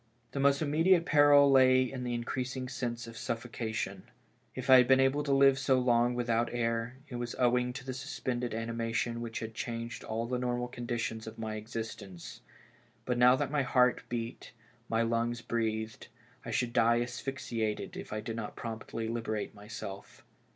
The most immediate peril lay in the increasing sense of suffocation. If I had been able to live so long with out air, it was owing to the suspended animation which had changed all the normal conditions of my existence; but now that my heart beat, my lungs breathed, I should die asphyxiated if I did not promptly liberate myself.